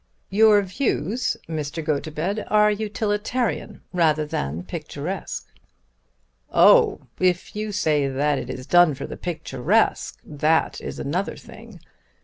"Your views, Mr. Gotobed, are utilitarian rather than picturesque." "Oh! if you say that it is done for the picturesque, that is another thing.